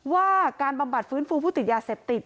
ว่าการบำบัดฟื้นฟูผู้ติดยาเสพติด